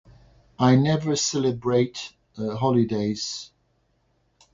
I never celebrate uhh holidays.